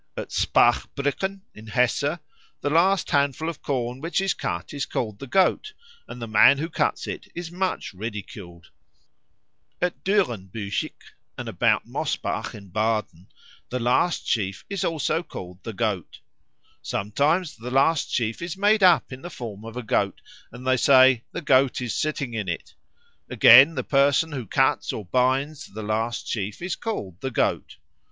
At Spachbrücken, in Hesse, the last handful of corn which is cut is called the Goat, and the man who cuts it is much ridiculed. At Dürrenbüchig and about Mosbach in Baden the last sheaf is also called the Goat. Sometimes the last sheaf is made up in the form of a goat, and they say, "The Goat is sitting in it." Again, the person who cuts or binds the last sheaf is called the Goat.